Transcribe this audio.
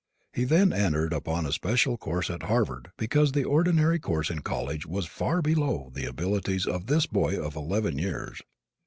He then entered upon a special course at Harvard because the ordinary course in college was far below the abilities of this boy of eleven years.